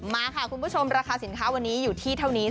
มาค่ะคุณผู้ชมราคาสินค้าวันนี้อยู่ที่เท่านี้